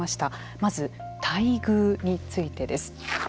まず、待遇についてです。